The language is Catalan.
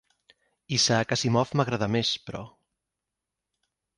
Isaac Assimov m'agrada més, però.